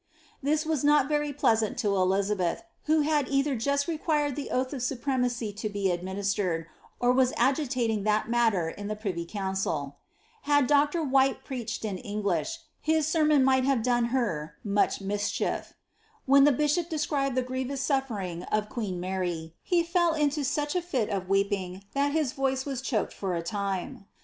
This was not very pleasant io Elizabeth, who had either just required the oath of supremacy to be ad ministeredf or was agitating that matter in the privy council. Had Dr. White preached in English, his sermon might have done her much mis ' Niifs AoiiquiE, Tol. ii., pp. 84, 85 ; Camden ; Life of Elisabeth. aiillABSTH. 109 rhief. When the bishop deticribed the grievous sufltring of queen Man', he fell into such a fit of weeping that his voice was choked for a tune.